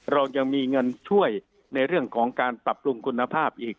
เรายังมีเงินช่วยในเรื่องของการปรับปรุงคุณภาพอีก